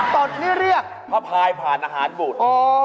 ตนนี่เรียกพระพายผ่านอาหารบุตร